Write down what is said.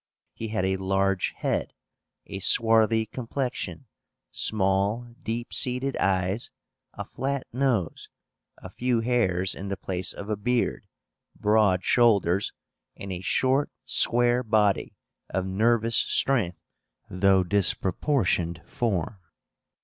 He had a large head, a swarthy complexion, small deep seated eyes, a flat nose, a few hairs in the place of a beard, broad shoulders, and a short square body, of nervous strength though disproportioned form.